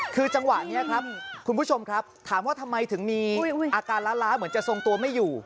คือจังหวะนี้ครับคุณผู้ชมครับถามว่าทำไมถึงมีอาการล้าเหมือนจะทรงตัวไม่อยู่